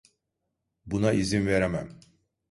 Buna izin veremem.